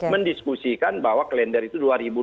mendiskusikan bahwa klender itu